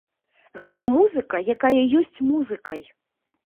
Гэта музыка, якая ёсць музыкай.